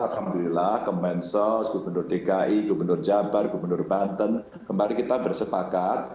alhamdulillah kemensos gubernur dki gubernur jabar gubernur banten kemarin kita bersepakat